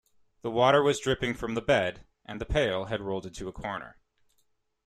The water was dripping from the bed, the pail had rolled into a corner.